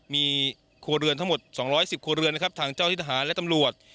มีครัวเรือนทั้งหมด๒๑๐ครัวเรือนนะครับทางเจ้าที่ทหารและตำรวจ